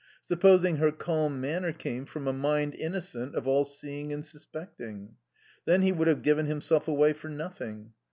Supposing her calm manner came from a mind innocent of all seeing and suspecting? Then he would have given himself away for nothing.